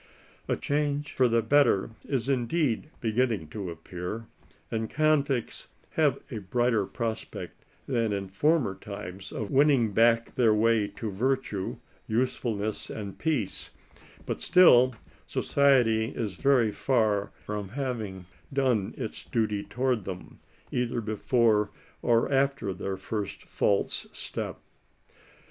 A change for the better is indeed beginning to appear, and convicts have a brighter pros pect than in former times of winning back their way to virtue, usefulness and peace ; but still society is very far from having done its duty toward them, either before or after their first false step.